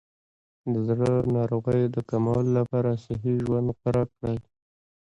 د زړه ناروغیو د کمولو لپاره صحي ژوند غوره کړئ.